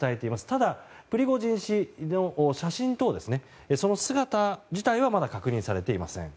ただ、プリゴジン氏の写真等その姿自体はまだ確認されていません。